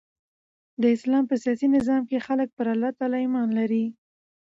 د اسلام په سیاسي نظام کښي خلک پر الله تعالي ایمان لري.